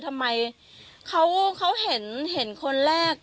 ทำไมเขาเห็นคนแรก